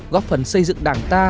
góp phần xây dựng đảng ta